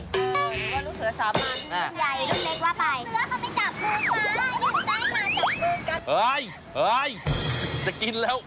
หรือว่าลูกเสือสาวมันหรือลูกใหญ่หรือลูกเด็กว่าไป